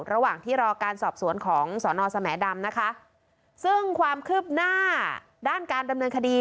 ระหว่างที่รอการสอบสวนของสอนอสแหมดำนะคะซึ่งความคืบหน้าด้านการดำเนินคดี